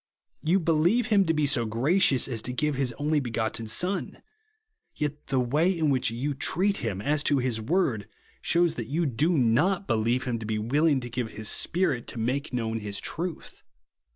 You believe him to be so gracious as to give his only begotten Son ; yet the way in which you treat him, as to his word shews that you do not believe him to be willing to give his Spirit to make known his truth.